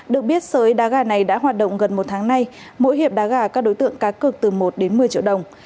được biết sới đá gà này đã hoạt động gần một tháng nay mỗi hiệp đá gà các đối tượng cá cực từ một đến một mươi triệu đồng